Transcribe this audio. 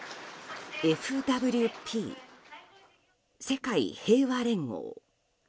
ＦＷＰ・世界平和連合。